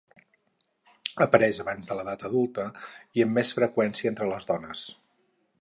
Apareix abans de l'edat adulta, i amb més freqüència entre les dones.